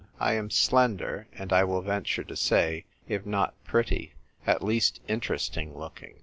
I am slender, and, I will venture to say, if not pretty, at least interesting looking.